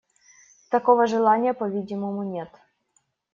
Такого желания, по-видимому, нет.